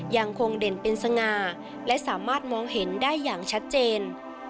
ยังคงเด่นเป็นสง่าและสามารถมองเห็นได้อย่างชัดเจน